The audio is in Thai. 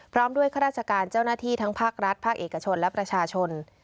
พร้อมด้วยข้าราชการเจ้าหน้าที่ทั้งภาครัฐภาคเอกชนและประชาชน